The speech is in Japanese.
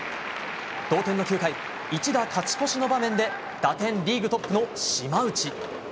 同点の９回一打勝ち越しの場面で打点リーグトップの島内。